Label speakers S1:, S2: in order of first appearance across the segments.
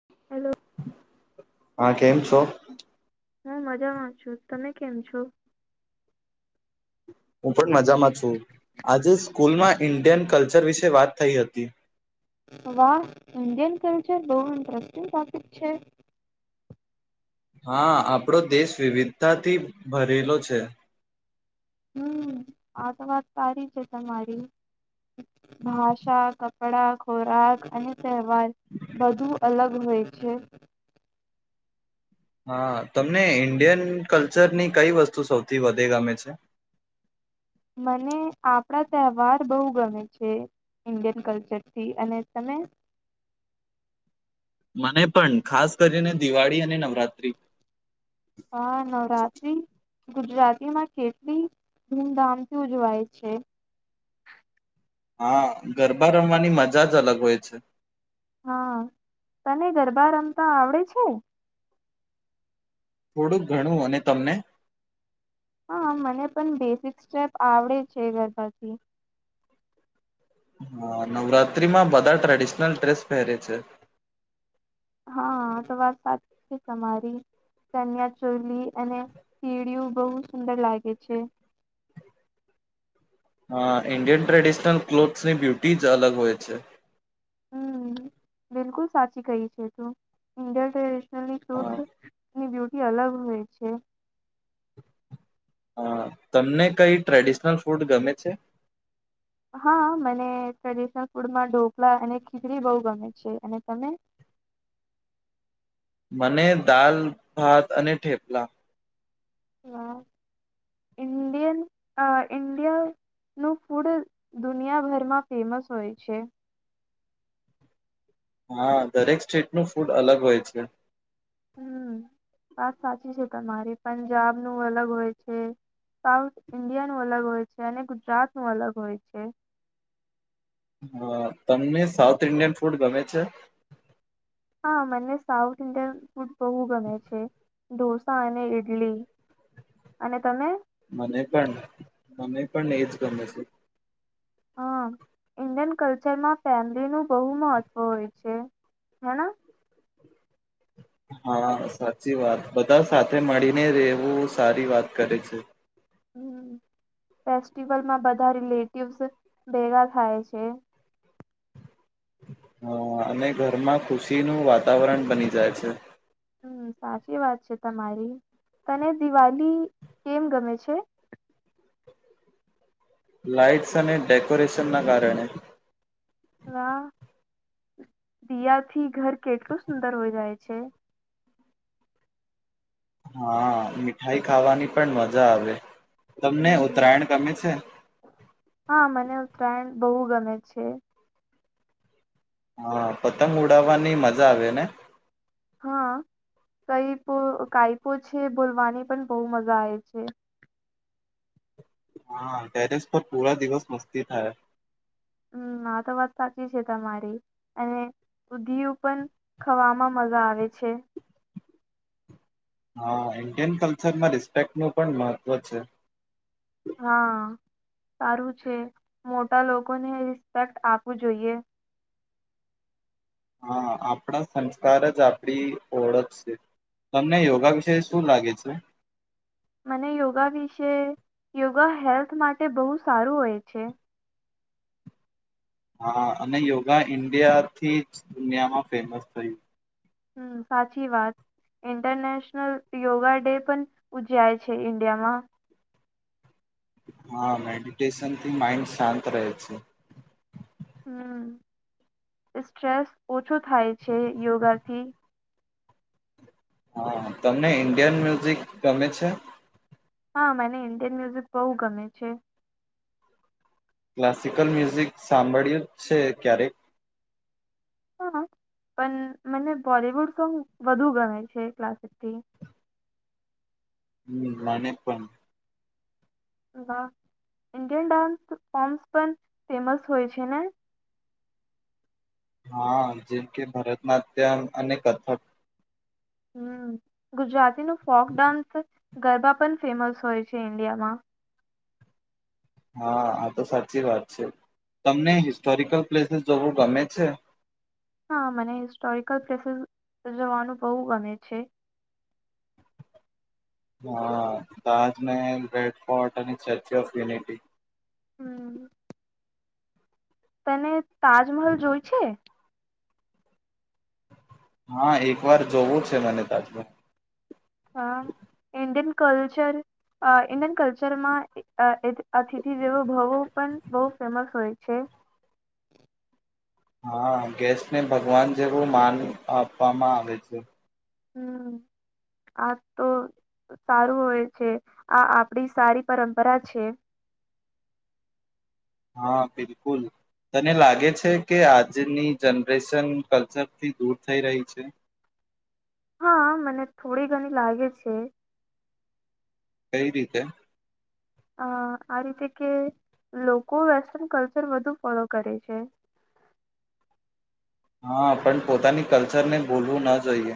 S1: [inaudible]
S2: હા કેમ છો
S1: હું મજામાં છું તમે કેમ છો
S2: હું પણ મજામાં આજે સ્કૂલમાં ઇન્ડિયન કલ્ચર વિશે વાત થઈ હતી
S1: વાહ ઈન્ડિયન કલ્ચર બહુ ઇન્ટરેસ્ટિંગ ટોપિક છે
S2: હા આપણો દેશ વિવિધતાથી ભરેલો છે
S1: હમ આ તો વાત સારી છે તમારી ભાષા કપડા ખોરાક અને તહેવાર બધું અલગ હોય છે
S2: હા તમને ઈન્ડિયન કલ્ચરની કઈ વસ્તુ સૌથી વધે ગમે છે
S1: મને આપણા તહેવાર બહુ ગમે છે ઇન્ડિયન કલ્ચરથી અને તમે
S2: મને પણ ખાસ કરીને દિવાળી અને નવરાત્રી
S1: હા નવ રાત્ર્રી ગુજરાતી માં કેટલી ધૂમધામથી ઉજવાય છે
S2: હા ગરબા રમવાની મજા જ અલગ હોય છે
S1: હા તને ગરબા રમતા આવડે છે
S2: થોડુંક ઘણું અને તમને
S1: હા મને પણ બેસિક સ્ટેપ આવડે છે ગરબાથી
S2: હા નવરાત્રીમાં બધા ટ્રેડિશનલ ડ્રેસ પહેરે છે
S1: હા તો વાત તમારી ચનિયા ચોલી અને સીળિું બહુ સુંદર લાગે છે
S2: હા ઇન્ડિયન ટ્રેડિશનલ ક્લોથ્સની બ્યુટી જ અલગ હોય છે
S1: હમ બિલકુલ સાચી કહી છે તું ઈન્ડિયન ટ્રેડિશનલની
S2: હા,
S1: શૂથની બ્યુટી અલગ હોય છે
S2: હા તમને કઈ ટ્રેડિશનલ ફૂડ ગમે છે
S1: હા મને ટ્રેડિશનલ ફૂડમાં ઢોકળા અને ખીચડી બહુ ગમે છે અને તમે
S2: મને દાલ ભાત અને ઠેપલા
S1: ઇડિયન ઇન્ડિયા નું ફૂડ દુનિયાભરમાં ફેમસ હોય છે
S2: હા દરેક સ્ટ્રીટનુંું ફૂડ અલગ હોય છે
S1: હમ વાત સાચી છે તમારી પંજાબનુંું અલગ હોય છે સાઉથ ઈન્ડિયાનું અલગ હોય છે અને ગુજરાતનુંું અલગ હોય છે
S2: હા તમને સાઉથ ઇન્ડિયન ફૂડ ગમે છે
S1: હા મને સાઉથ ન્ડિયાન ફૂટ બહવુ ગમે છે ઢોસા અને ઇડલી અને તમે
S2: મને પણ મને પણ એજ ગમે છે
S1: હમ ઇન્ડિયન કલ્ માં ફેમલી નું બહુ મહત્વ હોય છે હેના
S2: હા સાચી વાત બધા સાથે મળીને રહેેવું સારી વાત કરે છે
S1: હમ ફેસ્ટિવલમાં બધા રિલેટિવ્સ ભેગા થાય છે
S2: હા અને ઘરમાં ખુશીનું વાતાવરણ બની જાય છે
S1: હમ સાચી વાત છે તમારી તને દિવાલીી કેમ ગમે છે
S2: લાઇટ્સ અને ડેકોરેશનના કારણે
S1: વા દિયાથી ઘર કેટલું સુંદર હોય જાય છે,
S2: હા, મીઠાઈ ખાવાની પણ મજા આવે, તમને
S1: હમ
S2: ઉત્તરાયણ ગમે છે
S1: હા મને ઉતરાયણ બહુ ગમે છે,
S2: હા, પતંગ ઉડાવવાની મજા આવે ને
S1: હા કઈપો કઈપો છે, બોલવાની પણ બહુ મજા આવે છે
S2: હા, ટેરેસ પર પૂરા દિવસ મસ્તી થાય,
S1: હમ આ તો વાત સાચી છે, તમારી અને દધીય પણ ખવામાં મજા આવે છે.
S2: હા ઈન્ડિયન કલ્ચરમાં રિસ્પેક્ટ ન પણ મહત્વ છે,
S1: હા સારું છે, મોટા લોકોને રિસ્પેક્ટ આપવું જોઈએ.
S2: હા આપણા સંસ્કાર જ આપણી ઓળખ છે, તમને યોગા વિશે શું લાગે છે.
S1: મને યોગા વિશે યોગા હેલ્થ માટે બહુ સારું હોય છે,
S2: હા અને યોગા ઇન્ડિયા થી જ દુનિયામાં ફેમસ થયું,
S1: હમ સાચી વાત ઈન્ટરનેશનલ યોગા ડે પણ ઉજય છે, ઈન્ડિયામાં
S2: હા મેડિટેશનથી માઈન્ડ શાંત રહે છે,
S1: હમ સ્ટ્રેસ ઓછો થાય છે, યોગાથી
S2: હા તમને ઇન્ડિયન મ્યુઝિક ગમે છે,
S1: હા મને ઇન્ડિયન મ્યુઝિક બહુ ગમે છે,
S2: ક્લાસિકલ મ્યુઝિક સાંભળ્યું છે, ક્યારેક
S1: હા, પણ મને બોલિવુડ સોંગ વધુ ગમે છે, ક્લાસિકથી
S2: હમ મને પણ
S1: વાહ ઇન્ડિયન ડાન્સ ફોર્મ્સ પણ ફેમસ હોય છે, ને
S2: હા જેમ કે ભરતનાટ્યમ અને કથક
S1: હમ ગુજરાતી ન ફોક ડાન્સ ગરબા પણ ફેમસ હોય છે, ઈન્ડિયામાં
S2: હા આ તો સાચી વાત છે, તમને હિસ્ટોરિકલ પ્લેસીસ જોવું ગમે છે.
S1: હા મને હિસ્ટોરિકલ પ્લેસીસ રજવાનું બહુ ગમે છે,
S2: હા, તાજમહેલ રેડ ફોર્ટ અને સ્ટેચ્યુ ઓફ યુનિટી
S1: હમ્મ તને તાજમહલ જોઈ છે,
S2: હા એક વાર જોવું છે, મને તાજું
S1: અ ઇન્ડિયન કલ્ચર ઇન્ડિયન કલ્ચરમાં અતિથિ જેવો ભવો પણ બહુ ફેમસ હોય છે,
S2: હા ગેસને ભગવાન જેવું માન આપવામાં આવે છે,
S1: હમ આ તો સારું હોય છે, આ આપડી સારી પરંપરા છે.
S2: હા બિલકુલ તને લાગે છે, કે આજની જનરેશન કલ્ચરથી દૂર થઈ રહી છે,
S1: હા મને થોડી ઘણી લાગે છે,
S2: કઈ રીતે
S1: અ આ રીતે કે લોકો વેસ્ટર્ન કલ્ચર વધુ ફોલો કરે છે,
S2: હા પણ પોતાની કલ્ચરને બોલવું ન જોઈએ,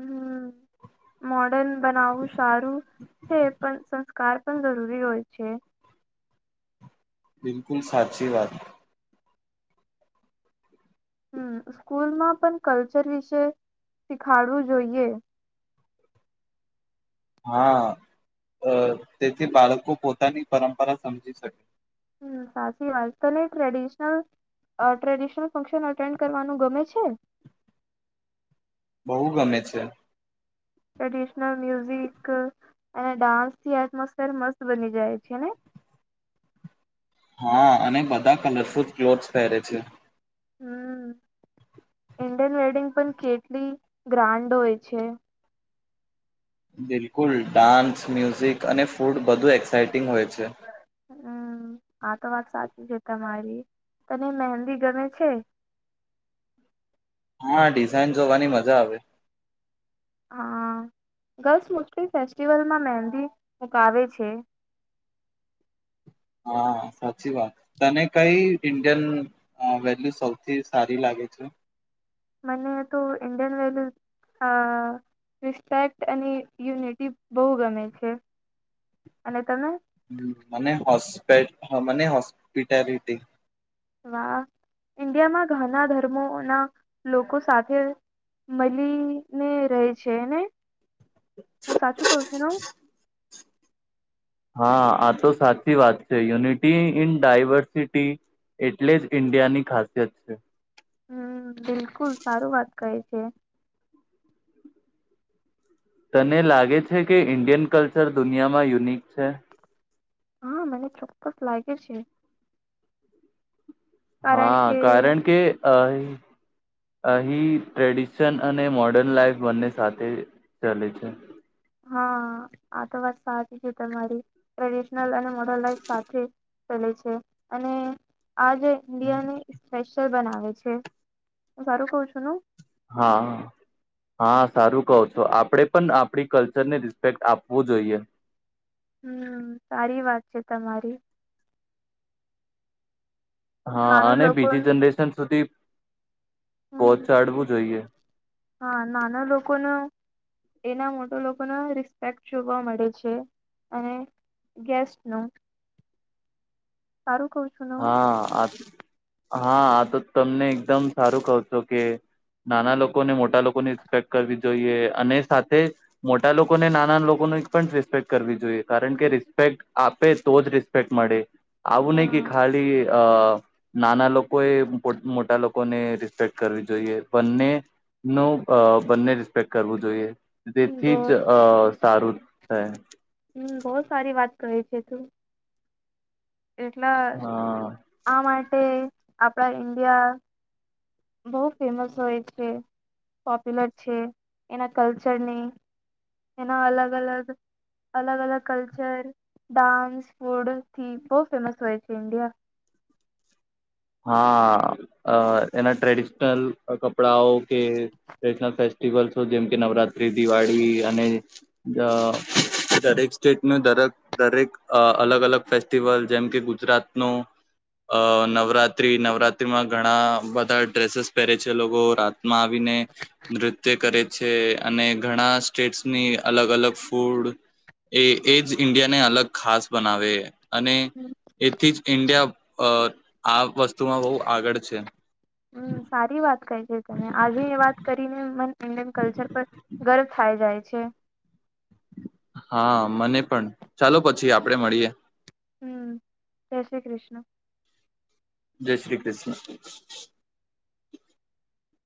S1: હમ્મ મ બનાવું સારું છે, પણ સં કાર પણ જરૂરી હોય છે,
S2: બિલકુલ સાચી વાત
S1: હમ સ્કૂલમાં પણ કલ્ચર વિશે શીખાડવું જોઈએ,
S2: હા, તેથી બાળકો પોતાની પરંપરા સમજી શકે.
S1: હમ સાચી વાત તને ટ્રેડિશનલ ટ્રેડિશનલ ફંક્શન અટેન્ડ કરવાનું ગમે છે?
S2: બહુ ગમે છે,
S1: ટ્રેડિશનલ મ્યુઝિક અને ડાન્સથી એટમોસફેર મસ્ત બની જાય છે, ને
S2: હા અને બધા કલરફુલ ક્લોથસ પહેરે છે
S1: હમ ઇન્ડિયન વેડિંગ પણ કેટલી ગ્રાન્ડ હોય છે
S2: બિલકુલ ડાન્સ મ્યુઝિક અને ફૂડ બધુ એક્સાઇટિંગ હોય છે
S1: હમ આ તો વાત સાચી છે તમારી તને મહેંદી ગમે છે
S2: હા ડિઝાઇન જોવાની મજા આવે
S1: હા ગર્લ્સ મુસ્લિમ ફેસ્ટિવલમાં મહેંદી મુકાવે છે
S2: હા સાચી વાત તને કઈ ઇન્ડિયન વેલ્યુ સૌથી સારી લાગે છે
S1: મને તો ઇન્ડિયન વેલ્યુ રિસ્પેક્ટ અને યુનિટી બહુ ગમે છે અને તમે
S2: મને હોસ્પે મને હોસ્પિટાલિટી
S1: વાહ ઈન્ડિયામાં ઘના ધર્મો ના લોકો સાથે મળીને રહે છે ને હું સાચું કહ છું ન
S2: હા આ તો સાચી વાત છે યુનિટી ઇન ડાયવર્સિટી એટલે જ ઈન્ડિયાની ખાસિયત છે
S1: હમ બિલકુલ સારું વાત કહીશ છે
S2: તને લાગે છે કે ઈન્ડિયન કલ્ચર દુનિયામાં યુનિક છે
S1: હા મને ચોક્કસ લાગે છે કારણ
S2: હા
S1: કે
S2: કારણ કે અ અહી ટ્રેડિશન અને મોર્ડર્ન લાાઈફ બંને સાથે ચલે છે
S1: હા આ તો વાત સાચી છે તમારી ટ્રેડિશનલ અને મો લાઈફ સાથે ચલે છે અને આજ ઇન્ડિયાની સ્ બનાવે છે સારું કઉ છું ન
S2: હા હા સારું કહ છો આપણેે પણ આપડી કલ્ચર ને રિસ્પેક્ટ આપવું જોઈએ
S1: હમ સારી વાત છે તમારી
S2: હા
S1: નાનો
S2: અને બીજી
S1: લોકોનું
S2: જનરેશન સુધી
S1: હમ
S2: પહચાડવું જોઈએ
S1: હા નાના લોકોનો એના મોટા લોકોનો રિસ્પેક્ટ જોવા મળે છે અને ગેસ્ટ ન
S2: હા આ હા આ તો તમને એકદમ સારું કહ છો કે નાના લોકોને મોટા લોકોની રિસ્પેક્ટ કરવી જોઈએ અને સાથે મોટા લોકોને નાના લોકોની પણ રિસ્પેક્ટ કરવી જોઈ જોઈએ કારણ કે
S1: હું
S2: રિસ્પેક્ટ આપે તો જ રિસ્પેક્ટ મળે આવું નહી કે
S1: હા
S2: ખાલી નાના લોકોએ મોટા લોકોને રિસ્પેક્ટ કરવી જોઈએ બંને ન બંને રિસ્પેક્ટ કરવું જોઈએ
S1: હમ
S2: તેથી
S1: બસ
S2: જ અ સારું છે
S1: હમ બહ સારી વાત કરી છે તું એટલા
S2: હા
S1: આ માટે આપણા ઈન્ડિયા બહુ ફેમસ હોય છે પોપ્યુલર છે એના કલ્ચરની એના અલગ અલગ અલગ અલગ કલ્ચર ડાન્સ ફૂડથી ખહબ ફેમસ વય છે ન્ડિયા
S2: હા એના ટ્રેડિશનલ કપડાઓ કે ટ્રેડિશનલ ફેસ્ટિવલસ જેમકે નવરાત્રી દિવાળી અને દરેક સ્ટેટનું દરેક દરેક અલગ અલગ ફેસ્ટિવલ જેમ કે ગુજરાત ન નવરાત નવરાત્રીમાં ઘણા બધા ડ્રેસીસ પહેરે છે લોકો રાતમાં આવીને નૃત્ય કરે છે અને ઘણા સ્ટેટ્સની અલગ અલગ ફૂડ એ એ જ ઇન્ડિયા ને અલગ ખાસ બનાવે અને એથી જ ઈન્ડિયા આ વસ્તુ તુમાં બહુ આગળ છે
S1: સારી વાત કહે છે તને આજે એ વાત કરીને મને ઈન્ડિયન કલ્ચર પર ગર્વ થાય જાય છે
S2: હા મને પણ ચાલો પછી આપડે મળીએ
S1: હમ જય શ્રી કૃષ્ણ
S2: જય શ્રી કૃષ્ણ